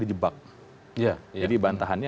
dijebak jadi bantahannya